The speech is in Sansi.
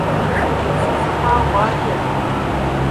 کُرسی سپا اُبھاری ہے